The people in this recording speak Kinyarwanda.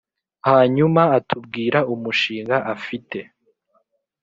hanyuma atubwira umushinga afite